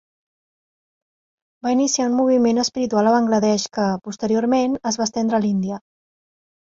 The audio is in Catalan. Va iniciar un moviment espiritual a Bangladesh que, posteriorment, es va estendre a l'Índia.